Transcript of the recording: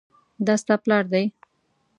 دا ستا پلار دی؟